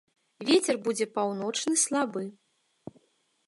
Вецер будзе паўночны слабы.